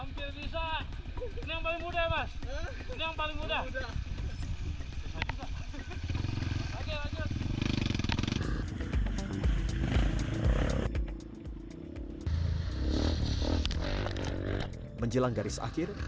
jalur yang terakhir adalah jalur yang terakhir